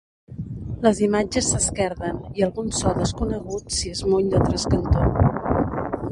Les imatges s'esquerden i algun so desconegut s'hi esmuny de trascantó.